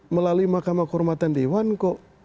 melalui mkd kok